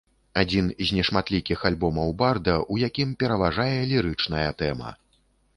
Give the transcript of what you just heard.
Адзін з нешматлікіх альбомаў барда, у якім пераважае лірычная тэма.